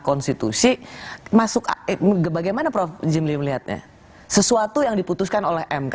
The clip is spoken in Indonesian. konstitusi masuk bagaimana prof jimli melihatnya sesuatu yang diputuskan oleh mk